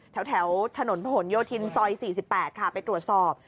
แถวถนนผนโยธินซอย๔๘ค่ะไปตรวจสอบ